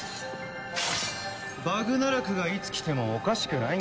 バグナラクがいつ来てもおかしくないんですよ？